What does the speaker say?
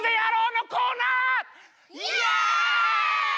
イエイ！